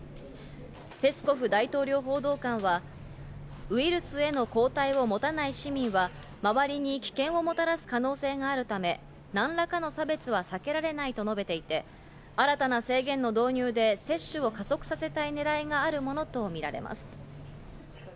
ペスコフ大統領報道官はウイルスへの抗体を持たない市民は周りに危険をもたらす可能性があるため、何らかの差別は避けられないと述べていて、新たな制限の導入で接種を加速させたいねらいがあるものとみられます。